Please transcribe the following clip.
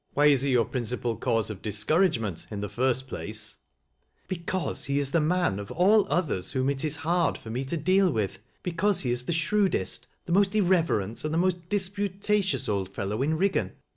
Why is he your principal cause of discouragement, in the first place ?"," Because he is the man of all others whom it is hard for me to deal with, — because he is the shrewdest, the most irreverent and the most disputatious old fellow in Riggan.